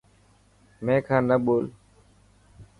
مين کان نه ٻول.